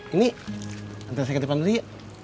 ini nanti saya ketepan dulu ya